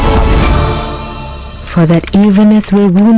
untuk itu meski kita terluka kita berhubung